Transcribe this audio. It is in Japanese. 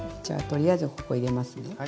じゃあとりあえずここ入れますね。